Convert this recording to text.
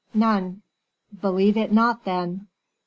"None." "Believe it not, then."